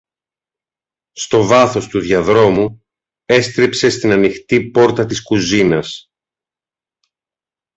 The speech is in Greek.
Στο βάθος του διαδρόμου έστριψε στην ανοιχτή πόρτα της κουζίνας